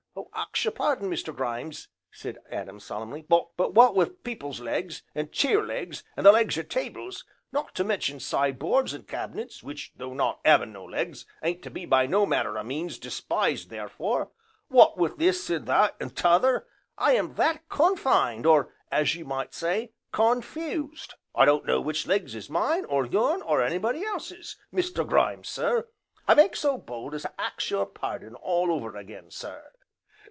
"Ax your pardon, Mr. Grimes," said Adam solemnly, "but what wi' people's legs, an' cheer legs, an' the legs o' tables, not to mention sideboards an' cab'nets, which, though not 'aving no legs, ain't to be by no manner o' means despised therefore, w'ot wi' this an' that, an' t'other, I am that con fined, or as you might say, con fused, I don't know which legs is mine, or yourn, or anybody else's. Mr. Grimes sir, I makes so bold as to ax your pardon all over again, sir."